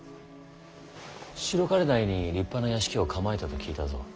白金台に立派な邸を構えたと聞いたぞ。